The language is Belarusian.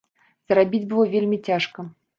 Зарабіць было вельмі цяжка.